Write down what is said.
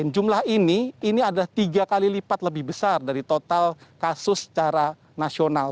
jumlah ini ini adalah tiga kali lipat lebih besar dari total kasus secara nasional